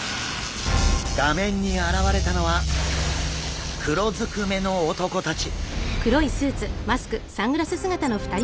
画面に現れたのは黒ずくめの男たち。